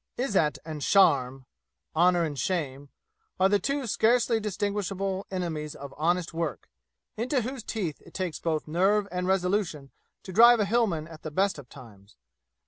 Izzat and sharm (honor and shame) are the two scarcely distinguishable enemies of honest work, into whose teeth it takes both nerve and resolution to drive a Hillman at the best of times.